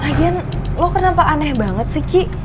lagian lo kenapa aneh banget sih ki